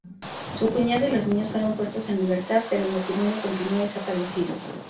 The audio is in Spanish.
Su cuñado y los niños fueron puestos en libertad, pero el matrimonio continúa desaparecido.